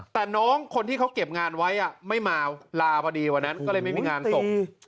แต่น้องคนที่เขาเก็บงานไว้ไม่มาลาพอดีวันนั้นก็เลยไม่มีงานศพ